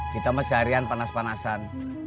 kita masih harian panas panasan